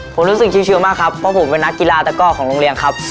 ผมรู้สึกชิวมากครับเพราะผมเป็นนักกีฬาตะก้อของโรงเรียนครับ